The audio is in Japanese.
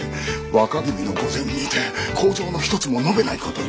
若君の御前にて口上の一つも述べないことには！